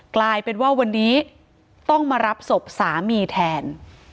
กลายเป็นว่าวันนี้ต้องมารับศพสามีแทน